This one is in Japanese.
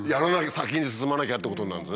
先に進まなきゃ！ってことになるんですね。